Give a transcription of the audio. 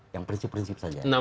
yang prinsip prinsip saja